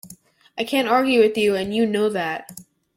I can't argue with you, and you know that.